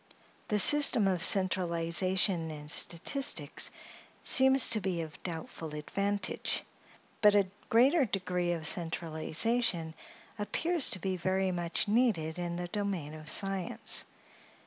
The system of centralization in statistics seems to be of doubtful advantage; but a greater degree of centralization appears to be very much needed in the domain of science.